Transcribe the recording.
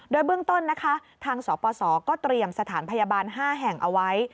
โดยเบื้องต้นนะคะทางสปสก็เตรียมสถานพยาบาล๕แห่งเอาไว้